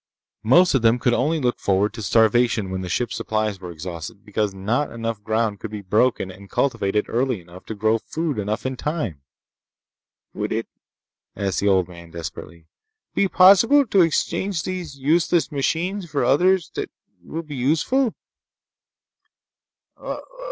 Most of them could only look forward to starvation when the ship supplies were exhausted, because not enough ground could be broken and cultivated early enough to grow food enough in time. "Would it," asked the old man desperately, "be possible to exchange these useless machines for others that will be useful?"